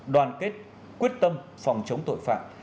đoàn kết quyết tâm phòng chống tội phạm